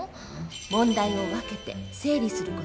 問題を分けて整理する事。